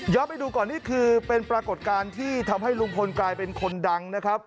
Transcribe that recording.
ไปดูก่อนนี่คือเป็นปรากฏการณ์ที่ทำให้ลุงพลกลายเป็นคนดังนะครับ